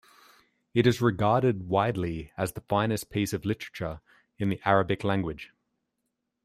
It is regarded widely as the finest piece of literature in the Arabic language.